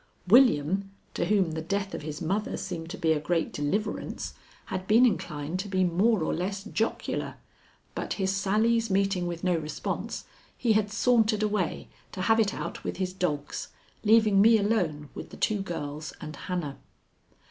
William, to whom the death of his mother seemed to be a great deliverance, had been inclined to be more or less jocular, but his sallies meeting with no response, he had sauntered away to have it out with his dogs, leaving me alone with the two girls and Hannah.